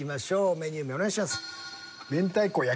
メニュー名お願いします。